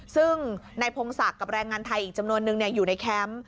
ซึ่งนายพงศักดิ์กับแรงงานไทยอีกจำนวนนึงอยู่ในแคมป์